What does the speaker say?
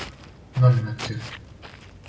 номинатив